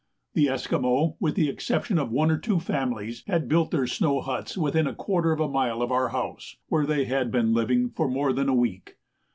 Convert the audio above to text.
The Esquimaux, with the exception of one or two families, had built their snow huts within a quarter of a mile of our house, where they had been living for more than a week.